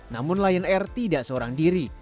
namun lion air tidak seorang diri